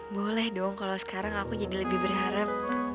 boleh dong kalau sekarang aku jadi lebih berharap